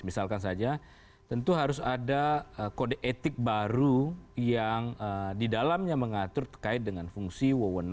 misalkan saja tentu harus ada kode etik baru yang di dalamnya mengatur terkait dengan fungsi wewenang